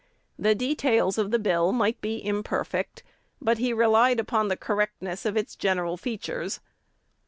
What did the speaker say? "The details of the bill might be imperfect; but he relied upon the correctness of its general features.